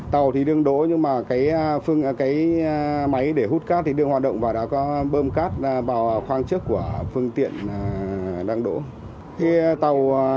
tàu thì đứng đổ nhưng mà cái máy để hút cát thì đứng hoạt động và đã có bơm cát vào khoang trước của vương tiện đang đổ